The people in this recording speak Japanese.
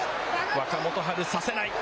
若元春差せない。